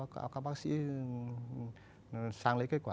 các bác sĩ sang lấy kết quả